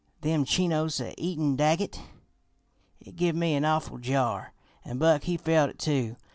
Them Chinos a eatin' Daggett! It give me an awful jar, an' Buck he felt it, too.